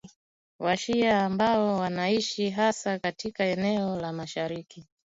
Washia ambao wanaishi hasa katika eneo la mashariki